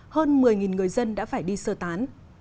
hơn một mươi người dân đã phải đi sơ tán